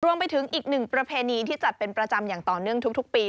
รวมไปถึงอีกหนึ่งประเพณีที่จัดเป็นประจำอย่างต่อเนื่องทุกปี